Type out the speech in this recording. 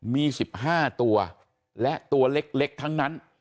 มี๑๕ตัวและตัวเล็กทั้งนั้น